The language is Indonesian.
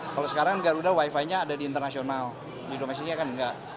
kalau sekarang garuda wifi nya ada di internasional di domestiknya kan enggak